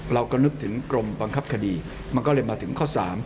เราก็นึกถึงกรมบังคับคดีมันก็เลยมาถึงข้อ๓